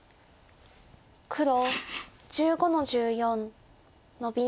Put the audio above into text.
黒１５の十四ノビ。